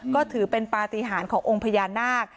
ก็ถือเป็นปฏิหารขององค์พญานาค